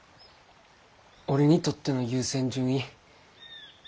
俺にとっての優先順位。